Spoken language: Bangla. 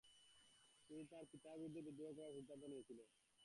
তিনি তার পিতার বিরুদ্ধে বিদ্রোহ করার সিদ্ধান্ত নিয়েছিলেন।